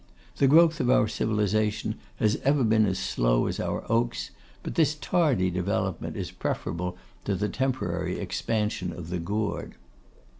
The growth of our civilisation has ever been as slow as our oaks; but this tardy development is preferable to the temporary expansion of the gourd.